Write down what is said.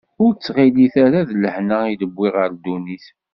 Ur ttɣilit ara d lehna i d-wwiɣ ɣer ddunit.